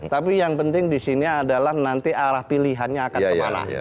tapi yang penting disini adalah nanti arah pilihannya akan kemala